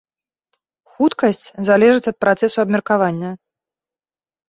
Хуткасць залежыць ад працэсу абмеркавання.